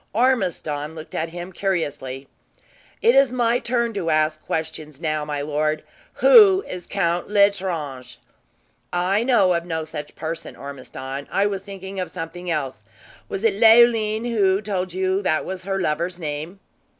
Ormiston looked at him curiously. "It is my turn to ask questions, now, my lord. Who is Count L'Estrange?" "I know of no such person, Ormiston. I was thinking of something else! Was it Leoline who told you that was her lover's name?"